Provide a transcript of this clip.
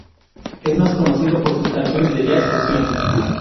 Es más conocido por sus canciones de jazz fusión.